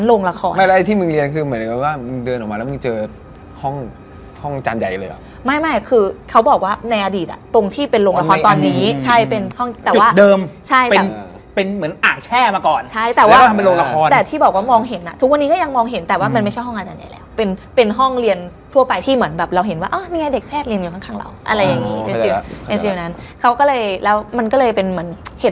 แล้วพี่ถามแล้วรุ่นพี่ถามมึงว่าคนป่ะโอ้โห